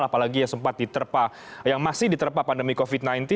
apalagi yang masih diterpa pandemi covid sembilan belas